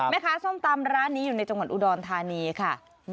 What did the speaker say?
ส้มตำร้านนี้อยู่ในจังหวัดอุดรธานีค่ะ